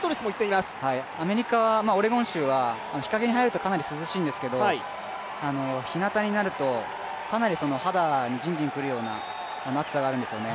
アメリカ・オレゴン州は日陰に入ると涼しいんですけど日なたになるとかなり肌にジンジン来るような暑さがあるんですよね。